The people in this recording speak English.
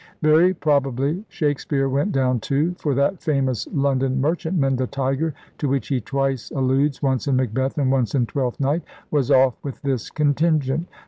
Very probably Shakespeare went down too, for that famous Lon don merchantman, the Tiger, to which he twice alludes — once in Macbeth and once in Twelfth Night — was off with this contingent.